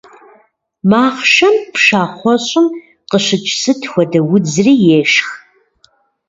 Махъшэм пшахъуэщӀым къыщыкӀ сыт хуэдэ удзри ешх.